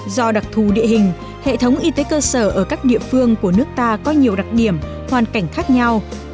do đặc thù địa hình hệ thống y tế cơ sở ở các địa phương của nước ta có nhiều đặc điểm hoàn cảnh khác nhau